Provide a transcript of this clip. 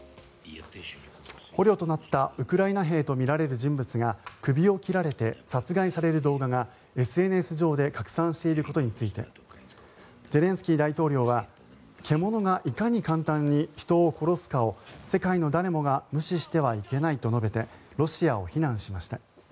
捕虜となったウクライナ兵とみられる人物が首を切られて殺害される動画がＳＮＳ上で拡散していることについてゼレンスキー大統領は獣がいかに簡単に人を殺すかを世界の誰もが無視してはいけないと述べてロシアを非難しました。